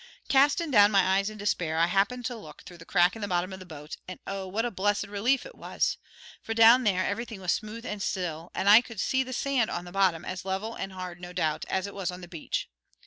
"Castin' down my eyes in despair, I happened to look through the crack in the bottom of the boat, and oh, what a blessed relief it was! for down there everything was smooth and still, and I could see the sand on the bottom, as level and hard, no doubt, as it was on the beach.